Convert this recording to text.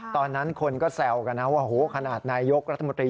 ตอนนั้นคนก็แซวกันนะว่าโหขนาดนายยกรัฐมนตรี